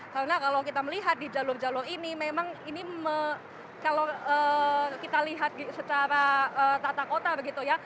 karena kalau kita melihat di jalur jalur ini memang ini kalau kita lihat secara tata kotar begitu ya